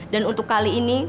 dan untuk kali ini